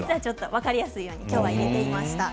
分かりやすいように今日は入れていました。